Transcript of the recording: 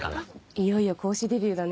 いよいよ講師デビューだね。